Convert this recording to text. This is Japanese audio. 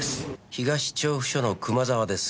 東調布署の熊沢です。